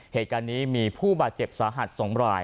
เหตุการณ์นี้มีผู้บาดเจ็บสาหัส๒ราย